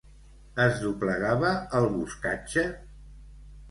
Es doblegava el boscatge?